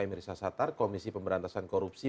emir sashatar komisi pemberantasan korupsi